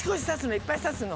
いっぱいさすの。